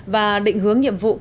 và định hướng nhiệm vụ